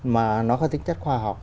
mà nó có tính chất khoa học